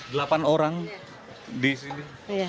delapan orang di sini